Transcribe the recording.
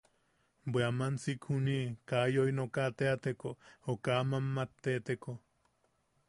Bwe aman siik juniʼi kaa yoi nooka teateko o kaa mammatteteko.